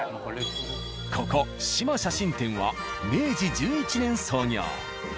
ここ「嶋写真店」は明治１１年創業。